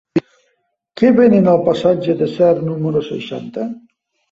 Què venen al passatge de Sert número seixanta?